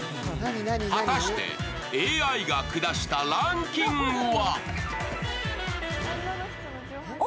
果たしてＡＩが下したランキングは？